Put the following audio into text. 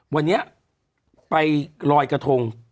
วันนี้ไปลอยกระทง